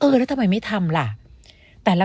แล้วทำไมไม่ทำล่ะ